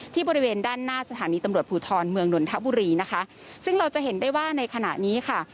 บริเวณด้านหน้าสถานีตำรวจภูทรเมืองนนทบุรีนะคะซึ่งเราจะเห็นได้ว่าในขณะนี้ค่ะ